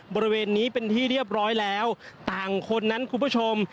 บริเวณนี้เป็นที่เรียบร้อยแล้วต่างคนนั้นคุณผู้ชม